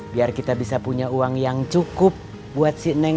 biar kita bisa punya uang yang cukup buat si neng